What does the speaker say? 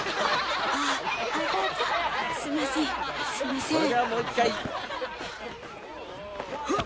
すんません。